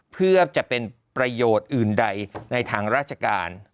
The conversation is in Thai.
เพื่อจะเป็นประโยชน์อื่นใดในทางราชการ